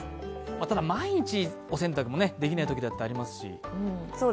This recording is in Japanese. ただ、毎日お洗濯できないときだってありますし。